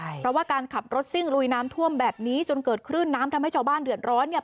เพราะว่าการขับรถซิ่งลุยน้ำท่วมแบบนี้จนเกิดคลื่นน้ำทำให้ชาวบ้านเดือดร้อนเนี่ย